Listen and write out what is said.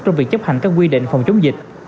trong việc chấp hành các quy định phòng chống dịch